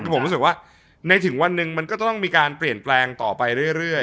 ผมรู้สึกว่าในถึงวันหนึ่งมันก็จะต้องมีการเปลี่ยนแปลงต่อไปเรื่อย